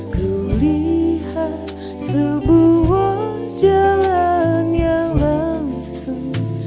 kulihat sebuah jalan yang langsung